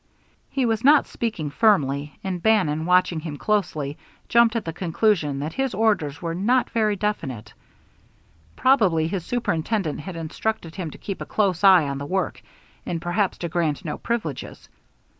He was not speaking firmly, and Bannon, watching him closely, jumped at the conclusion that his orders were not very definite. Probably his superintendent had instructed him to keep a close eye on the work, and perhaps to grant no privileges.